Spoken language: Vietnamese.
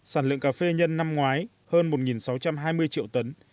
sản lượng cà phê nhân năm ngoái hơn một sáu trăm hai mươi triệu tấn